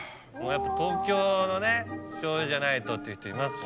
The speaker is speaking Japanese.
やっぱ東京のね醤油じゃないとっていう人いますもんね。